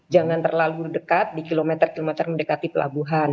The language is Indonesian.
jangan terlalu dekat di kilometer kilometer mendekati pelabuhan